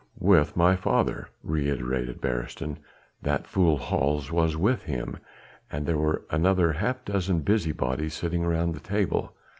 "With my father," reiterated Beresteyn. "That fool, Hals, was with him, and there were another half dozen busy bodies sitting round the table.